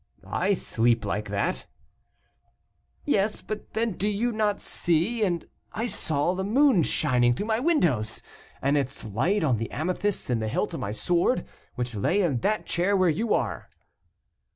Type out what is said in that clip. "I sleep like that." "Yes, but then you do not see, and I saw the moon shining through my windows, and its light on the amethyst in the hilt of my sword, which lay in that chair where you are."